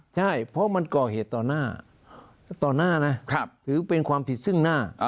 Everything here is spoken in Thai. ใช่เพราะมันก่อเหตุต่อหน้าต่อหน้านะถือเป็นความผิดซึ่งหน้า